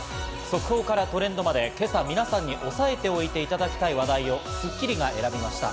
速報からトレンドまで、今朝皆さんに押さえておいていただきたい話題を『スッキリ』が選びました。